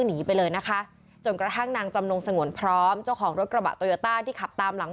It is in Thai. มีคนล้อมกลมอยู่ช่องข้างคนต้องยินเล่อยู่ตึงเปลี่ยนกลับมาก็เปลี่ยนให้ไปมอง